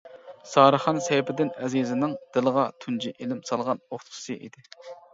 سارىخان سەيپىدىن ئەزىزىنىڭ دىلىغا تۇنجى ئىلىم سالغان ئوقۇتقۇچىسى ئىدى.